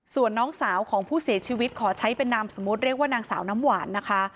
ส่วนน้องสาวของผู้เสียชีวิตขอใช้เป็นนามสมมุติเรียกว่านางสาวน้ำหวานนะคะ